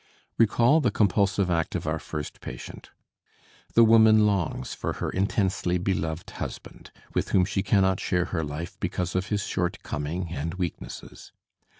Recall the compulsive act of our first patient. The woman longs for her intensely beloved husband, with whom she cannot share her life because of his shortcoming and weaknesses.